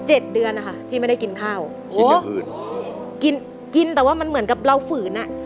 เจ็ดเดือนอ่ะค่ะที่ไม่ได้กินข้าวกินแต่ว่ามันเหมือนกับเราฝืนอ่ะ